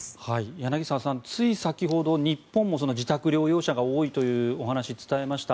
柳澤さん、つい先ほど日本も自宅療養者が多いというお話を伝えました。